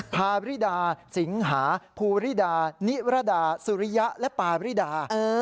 พาริดาสิงหาภูริดานิรดาสุริยะและปาริดา